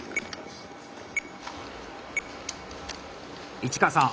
市川さん